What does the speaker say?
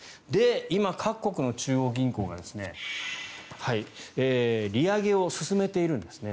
今、各国の中央銀行が利上げを進めているんですね。